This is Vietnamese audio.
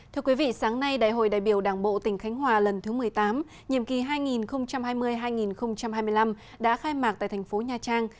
thưa quý vị sáng nay đại hội đại biểu đảng bộ tỉnh khánh hòa lần thứ một mươi tám nhiệm kỳ hai nghìn hai mươi hai nghìn hai mươi năm đã khai mạc tại thành phố nha trang